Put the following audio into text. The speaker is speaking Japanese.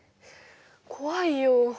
怖いよ。